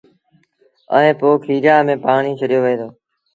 ائيٚݩ پو کيريآݩ ميݩ پآڻيٚ ڇڏيو وهي دو